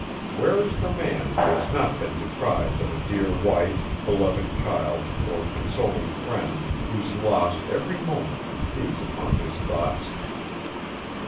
Where is the man, who has not been deprived of a dear wife, beloved child, or consoling friend, whose loss every moment intrudes upon his thoughts?